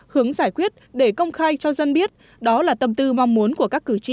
hướng giải quyết để công khai cho dân biết đó là tâm tư mong muốn của các cử tri